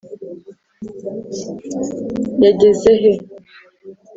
yageze he